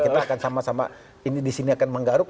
kita akan sama sama ini di sini akan menggaruk